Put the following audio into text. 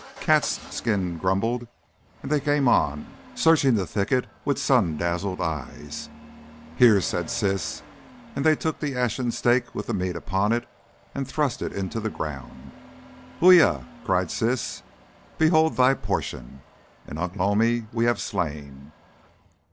Cat's skin grumbled, and they came on, searching the thicket with sun dazzled eyes. "Here!" said Siss. And they took the ashen stake with the meat upon it and thrust it into the ground. "Uya!" cried Siss, "behold thy portion. And Ugh lomi we have slain.